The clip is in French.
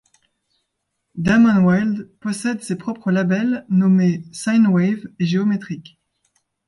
Damon Wild possède ses propres labels nommés Synewave et Geometric.